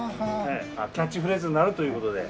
キャッチフレーズになるという事で。